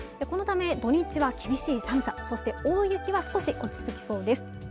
このため土日は厳しい寒さそして大雪は少し落ち着きそうです